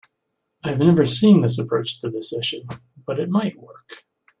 I have never seen this approach to this issue, but it might work.